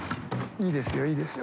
いいですよいいですよ。